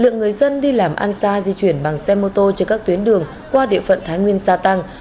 lượng người dân đi làm ăn xa di chuyển bằng xe mô tô trên các tuyến đường qua địa phận thái nguyên gia tăng